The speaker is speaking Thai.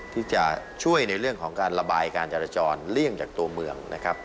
ที่จะช่วยในเรื่องของการระบายการจราจรเลี่ยงจากตัวเมืองนะครับ